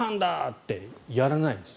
ってやらないんです。